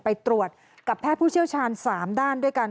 ไปตรวจกับแพทย์ผู้เชี่ยวชาญ๓ด้านด้วยกัน